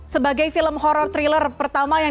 sebagai film horror thriller pertama yang